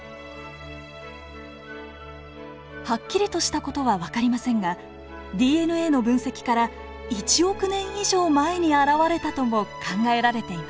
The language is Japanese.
はっきりとした事は分かりませんがＤＮＡの分析から１億年以上前に現れたとも考えられています。